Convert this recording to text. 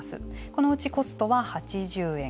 このうち、コストは８０円。